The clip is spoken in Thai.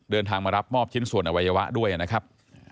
เดินทางมารับมอบชิ้นส่วนอวัยวะด้วยนะครับ